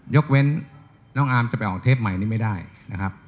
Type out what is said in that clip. ยกเว้นน้องอาร์มจะไปออกเทปใหม่นี้ไม่ได้นะครับ